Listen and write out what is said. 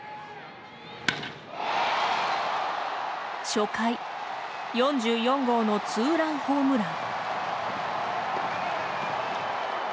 初回４４号のツーランホームラン。